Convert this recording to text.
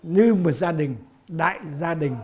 như một gia đình đại gia đình